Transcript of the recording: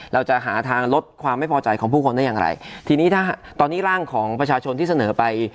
เราจะหาทางลดความไม่พอใจของผู้คนได้อย่างไรทีนี้ถ้าตอนนี้ร่างของประชาชนที่เสนอไป